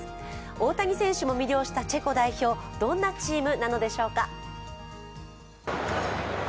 大谷選手も魅了したチェコ代表、どんなチームなのでしょうか。